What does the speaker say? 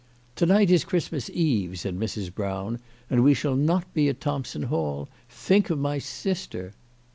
"To night is Christmas Eve," said Mrs. Brown, " and we shall not be at Thompson Hall ! Think of my sister